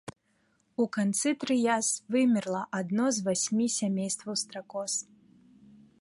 У канцы трыяс вымерла адно з васьмі сямействаў стракоз.